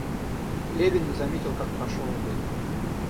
Левин не заметил, как прошел обед.